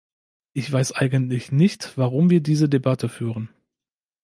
Ich weiß eigentlich nicht, warum wir diese Debatte führen.